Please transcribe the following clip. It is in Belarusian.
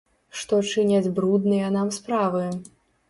Што чыняць брудныя нам справы.